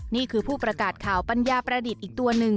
นี่คือผู้ประกาศข่าวปัญญาประดิษฐ์อีกตัวหนึ่ง